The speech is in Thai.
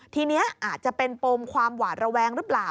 ทีนี้อาจจะเป็นปมความหวาดระแวงหรือเปล่า